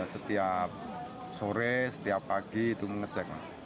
setiap sore setiap pagi itu mengecek